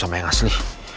sama yang asli